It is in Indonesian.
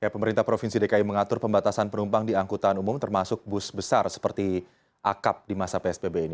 pemerintah provinsi dki mengatur pembatasan penumpang di angkutan umum termasuk bus besar seperti akap di masa psbb ini